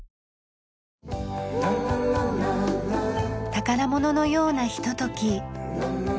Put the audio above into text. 宝物のようなひととき。